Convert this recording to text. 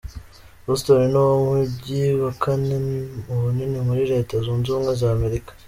Houston ni wo mujyi wa kane mu bunini muri Leta Zunze Ubumwe z'Amerika.